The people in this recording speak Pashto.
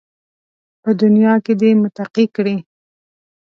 په دنیا کې دې متقي کړي